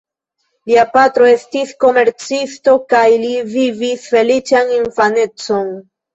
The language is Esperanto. Lia patro estis komercisto kaj li vivis feliĉan infanecon.